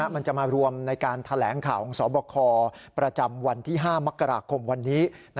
มันจะมารวมในการแถลงข่าวของสบคประจำวันที่๕มกราคมวันนี้